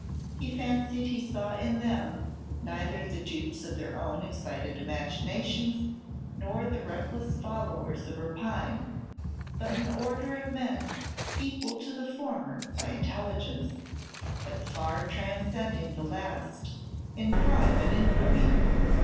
He fancied he saw in them neither the dupes of their own excited imaginations, nor the reckless followers of rapine, but an order of men equal to the former by intelligence, but far transcending the last in crime and infamy.